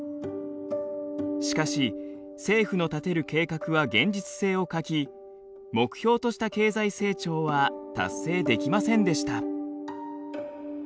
しかし政府の立てる計画は現実性を欠き目標とした経済成長は達成できませんでした。